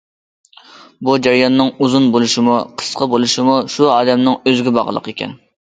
بۇ جەرياننىڭ ئۇزۇن بولۇشىمۇ، قىسقا بولۇشىمۇ شۇ ئادەمنىڭ ئۆزىگە باغلىق ئىكەن.